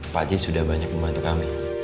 pakcik sudah banyak membantu kami